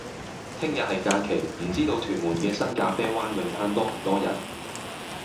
聽日係假期，唔知道屯門嘅新咖啡灣泳灘多唔多人？